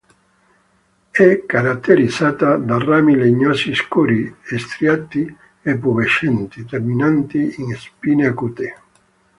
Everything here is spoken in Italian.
È caratterizzata da rami legnosi scuri, striati e pubescenti, terminanti in spine acute.